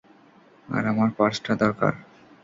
আর আমার পার্সটা দরকার।